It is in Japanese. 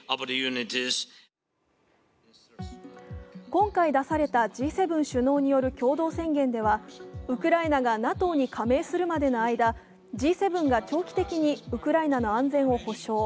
今回出されたＧ７首脳による共同宣言ではウクライナがＮＡＴＯに加盟するまでの間、Ｇ７が長期的にウクライナの安全を保障。